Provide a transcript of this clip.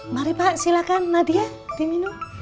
mari pak silakan nadia diminum